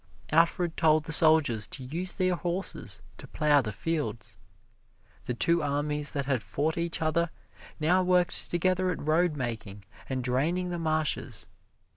Alfred told the soldiers to use their horses to plow the fields. The two armies that had fought each other now worked together at road making and draining the marshes.